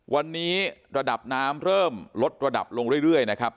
วันนี้ระดับน้ำเริ่มลดระดับลงเรื่อยนะครับ